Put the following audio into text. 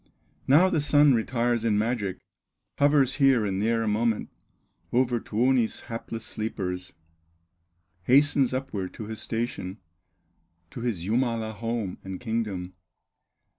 Now the Sun retires in magic, Hovers here and there a moment Over Tuoni's hapless sleepers, Hastens upward to his station, To his Jumala home and kingdom.